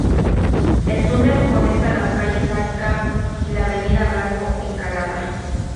El túnel conecta las Calle Arica y la Avenida Blanco Encalada.